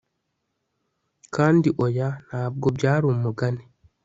kandi oya, ntabwo byari umugani